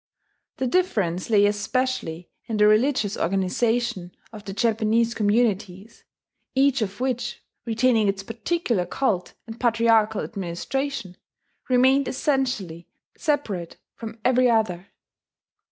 The difference lay especially in the religious organization of the Japanese communities, each of which, retaining its particular cult and patriarchal administration, remained essentially separate from every other.